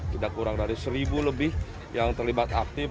tidak kurang dari seribu lebih yang terlibat aktif